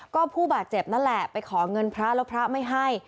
ก็ผู้บาดเจ็บนั่นแหละไปขอเงินพระแล้วพระไม่ให้